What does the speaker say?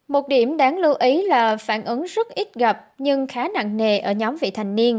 một điểm đáng lưu ý là phản ứng rất ít gặp nhưng khá nặng nề ở nhóm vị thành niên